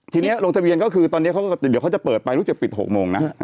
ทีนี้ลงทะเบียนก็คือตอนนี้เดี๋ยวเขาจะเปิดไปรู้จักปิด๖โมงนะ